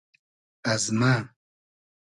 از مۂ